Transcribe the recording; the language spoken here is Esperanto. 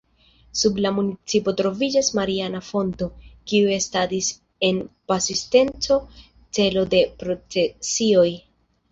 Sub la municipo troviĝas mariana fonto, kiu estadis en pasinteco celo de procesioj.